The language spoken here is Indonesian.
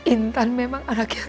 intan tidak punya ayah